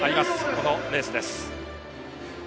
このレースです。